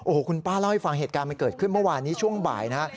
โอ้โหคุณป้าเล่าให้ฟังเหตุการณ์มันเกิดขึ้นเมื่อวานนี้ช่วงบ่ายนะฮะ